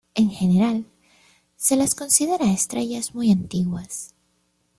En general, se las considera estrellas muy antiguas.